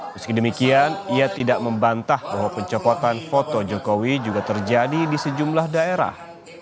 meski demikian ia tidak membantah bahwa pencopotan foto jokowi juga terjadi di sejumlah daerah